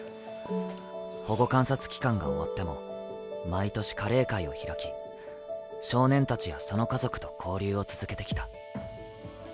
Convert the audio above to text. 保護観察期間が終わっても毎年、カレー会を開き少年たちやその家族と交流を続けてきた。